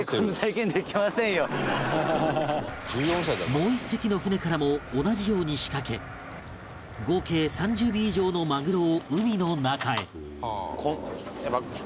もう１隻の船からも同じように仕掛け合計３０尾以上のマグロを海の中へ